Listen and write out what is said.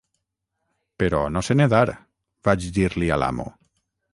"Però no sé nedar", vaig dir-li a l'amo.